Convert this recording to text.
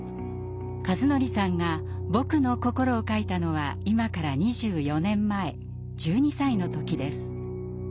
一法さんが「ぼくの心」を書いたのは今から２４年前１２歳の時です。